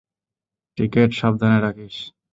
Ticket সাবধানে রাখিস?